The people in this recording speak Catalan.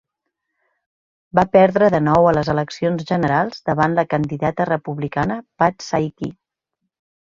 Va perdre de nou a les eleccions generals davant la candidata republicana Pat Saiki.